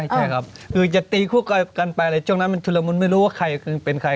ใช่ครับคือจะตีต่อกันไปเราก็ไม่รู้ว่าใครเป็นใคร